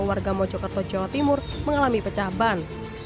warga mojokerto jawa timur mengalami pecah ban